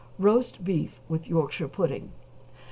=Roast Beef with Yorkshire Pudding.